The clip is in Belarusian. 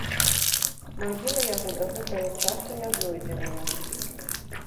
Магіла яго да гэтага часу не знойдзеная.